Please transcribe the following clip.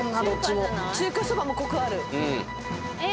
中華そばもコクある。